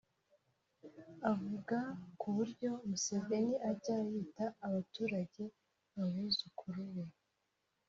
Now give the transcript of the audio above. Avuga ku buryo Museveni ajya yita abaturage abuzukuru be